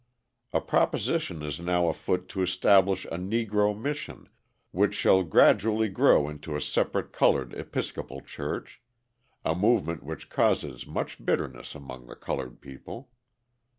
A proposition is now afoot to establish a Negro mission which shall gradually grow into a separate coloured Episcopal Church, a movement which causes much bitterness among the coloured people.